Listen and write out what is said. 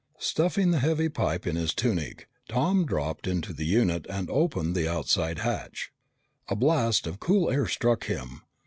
Stuffing the heavy pipe in his tunic, Tom dropped into the unit and opened the outside hatch. A blast of cool air struck him.